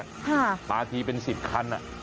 ค่ะมาทีเป็น๑๐คัน